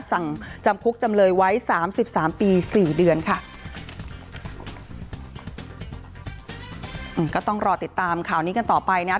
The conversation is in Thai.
สั่งจำคุกจำเลยไว้สามสิบสามปีสี่เดือนค่ะอืมก็ต้องรอติดตามข่าวนี้กันต่อไปนะ